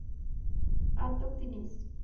Acton Tennessee